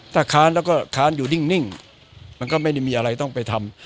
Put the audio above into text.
ถ้าค้านแล้วก็ค้านอยู่นิ่งมันก็ไม่ได้มีอะไรต้องไปทำ